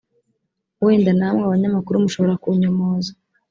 wenda namwe abanyamakuru mushobora kunyomoza